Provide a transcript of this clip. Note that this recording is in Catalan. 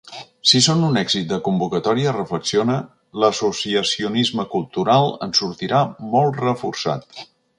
Si són un èxit de convocatòria, reflexiona, l’associacionisme cultural en sortirà molt reforçat.